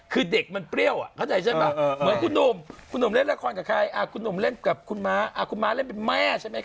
คุณหนุ่มเล่นละครกับใครคุณหนุ่มเล่นคุณมาคุณมาเป็นแม่